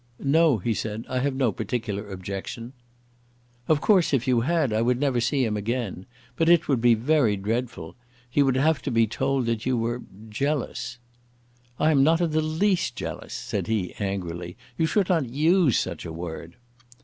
"No," he said, "I have no particular objection." "Of course if you had, I would never see him again. But it would be very dreadful. He would have to be told that you were jealous." "I am not in the least jealous," said he, angrily. "You should not use such a word."